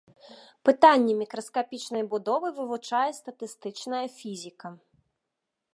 Пытанні мікраскапічнай будовы вывучае статыстычная фізіка.